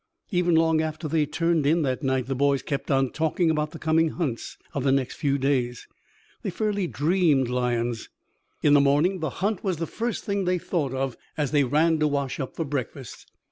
Even long after they had turned in that night the boys kept on talking about the coming hunts of the next few days. They fairly dreamed lions. In the morning the hunt was the first thing they thought of as they ran to wash up for breakfast.